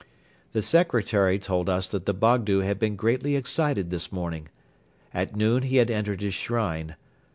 The secretary told us that the Bogdo had been greatly excited this morning. At noon he had entered his shrine.